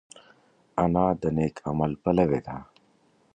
انا د نېک عمل پلوي ده